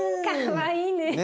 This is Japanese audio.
かわいいね。